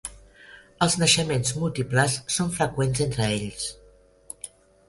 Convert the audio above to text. Els naixements múltiples són freqüents entre ells.